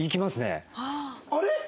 あれ？